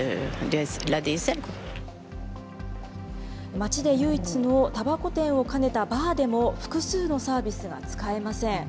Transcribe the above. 町で唯一のたばこ店を兼ねたバーでも、複数のサービスが使えません。